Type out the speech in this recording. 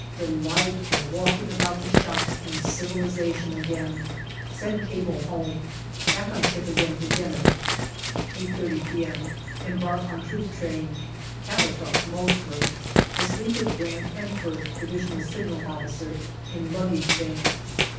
Delightful walking about the shops and civilization again. Send cable home. Back on ship again for dinner. 8.30 p.m. Embark on troop train. Cattle trucks mostly. I sleep with Grant and Firth, Divisional Signal Officer, in luggage van.